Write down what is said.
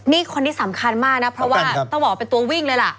นี่คนนี้สำคัญมากนะเพราะว่าต้องบอกว่าเป็นตัววิ่งเลยล่ะ